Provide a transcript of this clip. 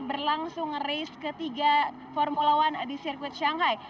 terlangsung ngerace ketiga formula one di sirkuit shanghai